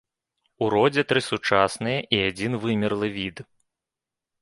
У родзе тры сучасныя і адзін вымерлы від.